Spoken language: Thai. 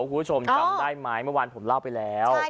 คุณผู้ชมจำได้ไหมเมื่อวานผมเล่าไปแล้ว